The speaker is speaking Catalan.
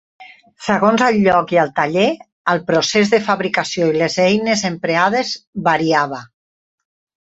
Segons el lloc i el taller, el procés de fabricació i les eines emprades variava.